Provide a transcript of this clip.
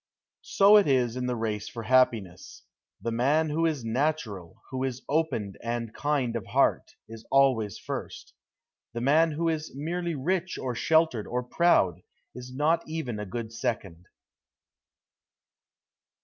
So it is in the race for happiness. The man who is natural, who is open and kind of heart, is always first. The man who is merely rich or sheltered or proud is not even a good second.